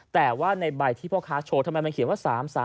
แต่ว่าในใบที่พ่อค้าโชว์ทำไมมันเขียนว่า๓๓